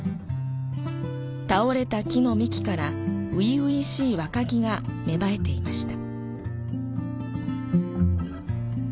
倒れた木の幹から初々しい若木が芽生えていました。